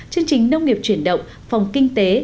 chương trình nông nghiệp truyền động phòng kinh tế